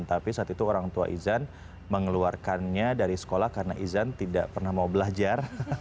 tapi saat itu orang tua izan mengeluarkannya dari sekolah karena izan tidak pernah mau belajar